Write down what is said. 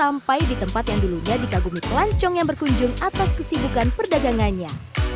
sampai di tempat yang dulunya dikagumi pelancong yang berkunjung atas kesibukan perdagangannya